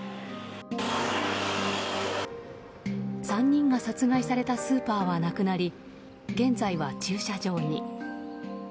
３人が殺害されたスーパーはなくなり現在は駐車場に。